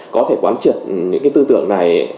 có thể quán triển những cái tư tưởng này